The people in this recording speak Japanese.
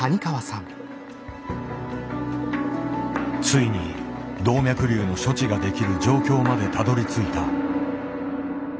ついに動脈瘤の処置ができる状況までたどりついた。